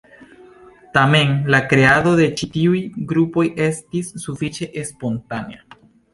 Tamen, la kreado de ĉi tiuj grupoj estis sufiĉe spontanea.